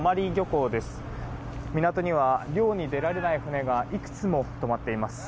港には漁に出られない船がいくつも止まっています。